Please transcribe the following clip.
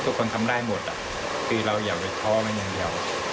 ทำได้หมดคือเราอย่าไปท้อมันอย่างเดียว